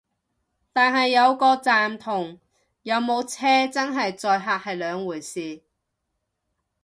但係有個站同有冇車真係載客係兩回事